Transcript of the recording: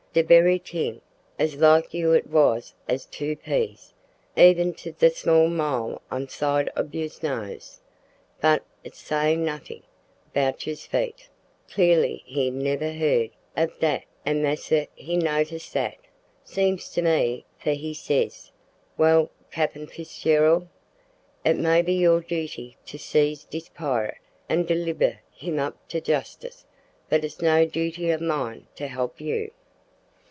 De bery ting, as like you it was as two pease, even to de small mole on side ob you's nose, but it say not'ing 'bout you's feet. Clarly he nebber heerd ob dat an' massa he notice dat, seems to me, for he ses, `Well, Cappin Fizzerald, it may be your duty to seize dis pirit and deliber him up to justice, but it's no duty ob mine to help you.'